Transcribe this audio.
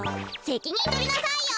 せきにんとりなさいよ！